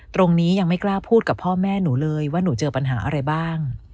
ตรงนี้ยังไม่กล้าพูดกับพ่อแม่หนูเลยว่าหนูเจอปัญหาอะไรบ้าง